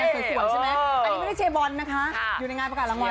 อันนี้ไม่ได้เชียร์บอนนะคะอยู่ในงานประกาศรางวัลค่ะ